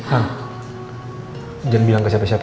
hah jangan bilang ke siapa siapa